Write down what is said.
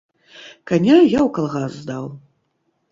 Каня я ў калгас здаў.